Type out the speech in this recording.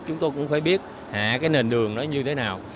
chúng tôi cũng phải biết hạ cái nền đường đó như thế nào